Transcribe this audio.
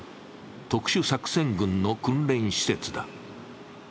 特殊作戦群の訓練施設だ。